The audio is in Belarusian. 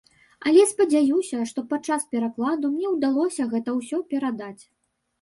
Але спадзяюся, што падчас перакладу мне ўдалося гэта ўсё перадаць.